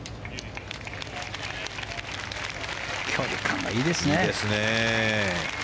距離感がいいですね。